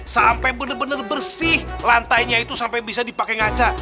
sampai benar benar bersih lantainya itu sampai bisa dipakai ngaca